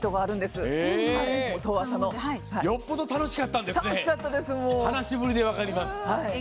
よっぽど楽しかったんですね。